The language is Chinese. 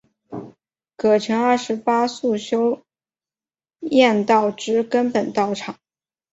葛城二十八宿修验道之根本道场。